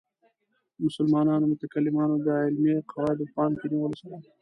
د مسلمانو متکلمانو د علمي قواعدو په پام کې نیولو سره.